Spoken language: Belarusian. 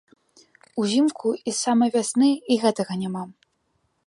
Узімку і з самай вясны і гэтага няма.